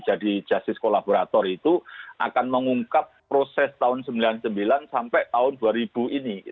jadi jasis kolaborator itu akan mengungkap proses tahun seribu sembilan ratus sembilan puluh sembilan sampai tahun dua ribu ini